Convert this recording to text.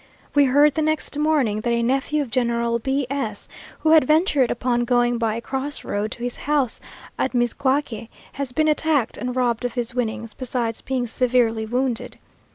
We heard the next morning, that a nephew of General B s, who had ventured upon going by a cross road to his house, at Mizcuaque, has been attacked and robbed of his winnings, besides being severely wounded.